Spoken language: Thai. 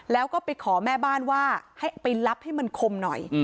แล้วก็ไปขอแม่บ้านว่าให้ไปรับให้มันคมหน่อย